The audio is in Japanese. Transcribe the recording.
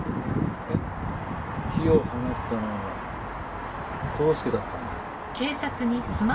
えっ？火を放ったのは黄介だったんだ。